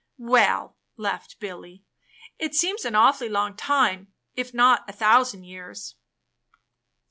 "WeU," laughed Billy, "it seems an a\\^ully long time, if not a thousand years."